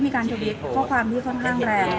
ทวิตข้อความที่ค่อนข้างแรง